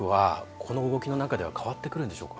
この動きの中では変わってくるんでしょうか。